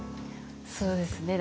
そうですね。